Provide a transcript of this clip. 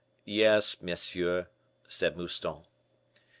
"Yes, monsieur," said Mouston.